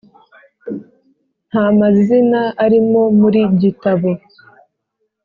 nta mazina arimo muri gitabo